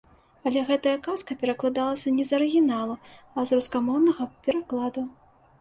Але гэтая казка перакладалася не з арыгіналу, а з рускамоўнага перакладу.